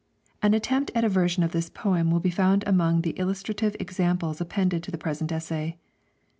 An attempt at a version of this poem will be found among the illustrative examples appended to the present essay.